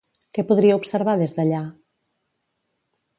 Què podria observar des d'allà?